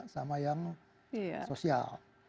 sama yang sosial